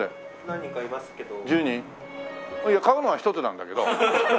いや買うのは１つなんだけど。